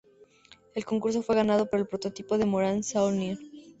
El concurso fue ganado por el prototipo de Morane-Saulnier.